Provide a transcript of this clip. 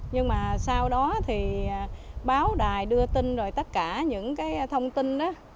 nhưng mà sau đó thì báo đài đưa tin rồi tất cả những thông tin